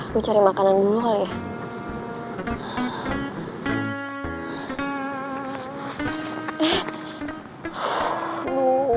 gue cari makanan dulu kali ya